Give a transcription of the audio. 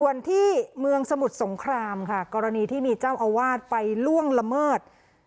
ส่วนที่เมืองสมุทรสงครามค่ะกรณีที่มีเจ้าอาวาสไปล่วงละเมิด